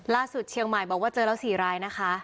เชียงใหม่บอกว่าเจอแล้ว๔รายนะคะ